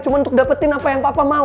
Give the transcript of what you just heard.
cuma untuk dapetin apa yang papa mau